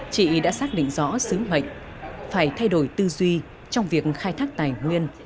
chị đã xác định rõ sứ mệnh phải thay đổi tư duy trong việc khai thác tài nguyên